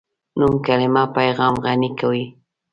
نوې کلیمه پیغام غني کوي